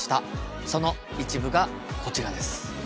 その一部がこちらです。